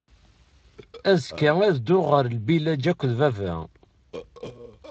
Azekka ad dduɣ ɣer lbilaǧ akked baba.